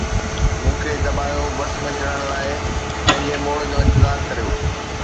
مون کي دٻايو، بس ۾ چڙهڻ لاءِ پنهنجي موڙ جو انتظار ڪريو